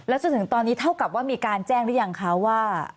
จนถึงตอนนี้เท่ากับว่ามีการแจ้งหรือยังคะว่า